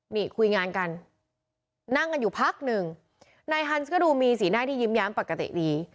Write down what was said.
นี่คุยงานกันนั่งกันอยู่พักหนึ่งนายฮันส์ก็ดูมีสีหน้าที่ยิ้มแย้มปกติดี